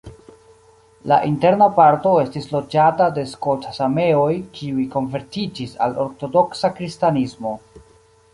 La interna parto estis loĝata de skolt-sameoj, kiuj konvertiĝis al ortodoksa kristanismo.